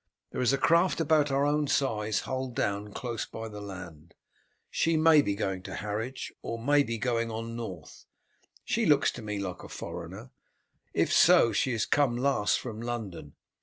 There is a craft about our own size hull down close by the land. She may be going to Harwich, or may be going on north. She looks to me like a foreigner. If so, she has come last from London.